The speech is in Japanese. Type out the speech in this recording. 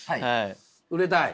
売れたい？